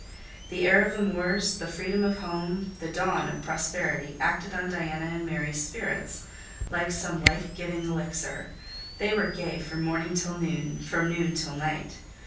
The air of the moors, the freedom of home, the dawn of prosperity, acted on Diana and Mary's spirits like some life giving elixir: they were gay from morning till noon, and from noon till night.